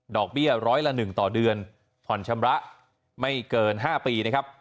เบี้ยร้อยละ๑ต่อเดือนผ่อนชำระไม่เกิน๕ปีนะครับ